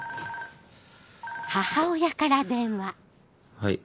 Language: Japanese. はい。